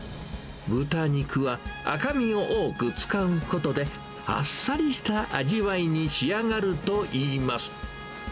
豚肉は赤身を多く使うことで、あっさりした味わいに仕上がるといいます。